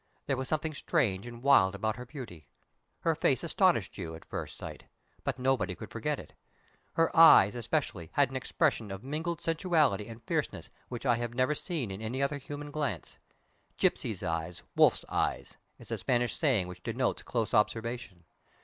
There was something strange and wild about her beauty. Her face astonished you, at first sight, but nobody could forget it. Her eyes, especially, had an expression of mingled sensuality and fierceness which I had never seen in any other human glance. "Gipsy's eye, wolf's eye!" is a Spanish saying which denotes close observation.